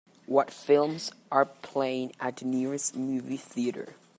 What films are playing at the nearest movie theatre